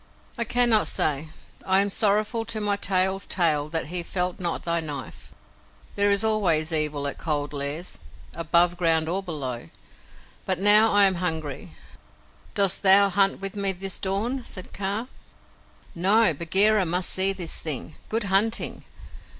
"I cannot say. I am sorrowful to my tail's tail that he felt not thy knife. There is always evil at Cold Lairs above ground or below. But now I am hungry. Dost thou hunt with me this dawn?" said Kaa. "No; Bagheera must see this thing. Good hunting!"